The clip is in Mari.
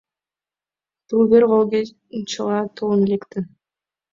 Ты увер волгенчыла толын лекте.